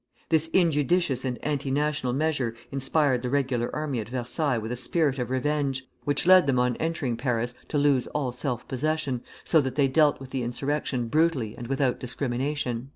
This injudicious and anti national measure inspired the regular army at Versailles with a spirit of revenge, which led them on entering Paris to lose all self possession, so that they dealt with the insurrection brutally and without discrimination."